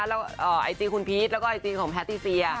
แล้วไอจีคุณพีชแล้วก็ไอจีของแพทติเซีย